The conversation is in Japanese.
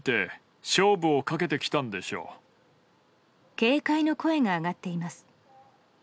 警戒の声が上がっています。